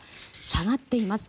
下がっています。